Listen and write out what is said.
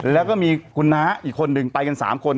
แล้วก็มีคุณน้าอีกคนหนึ่งไปกัน๓คน